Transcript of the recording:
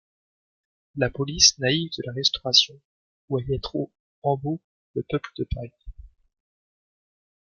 La police naïve de la Restauration voyait trop « en beau » le peuple de Paris.